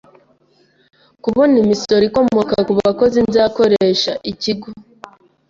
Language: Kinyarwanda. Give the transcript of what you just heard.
kubona imisoro ikomoka ku bakozi nzakoresha, ikigo